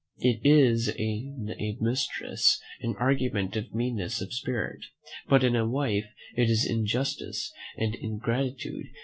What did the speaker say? It is even in a mistress an argument of meanness of spirit, but in a wife it is injustice and ingratitude.